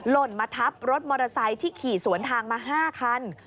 ล่นมาทับรถมอเตอร์ไซค์ที่ขี่สวนทางมา๕คัน